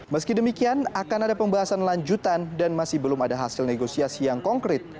meski demikian akan ada pembahasan lanjutan dan masih belum ada hasil negosiasi yang konkret